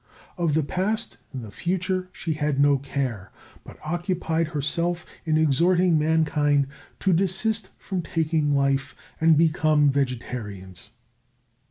Of the past and the future she had no care, but occupied herself in exhorting mankind to desist from taking life and become vegetarians.